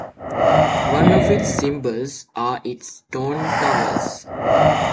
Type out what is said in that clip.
One of its symbols are its stone towers.